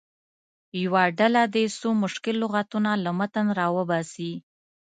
یوه ډله دې څو مشکل لغتونه له متن راوباسي.